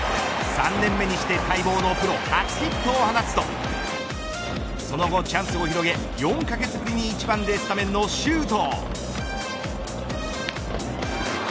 ３年目にして待望のプロ初ヒットを放つとその後、チャンスを広げ４カ月ぶりに１番でスタメンの周東。